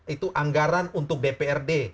itu anggaran untuk bprd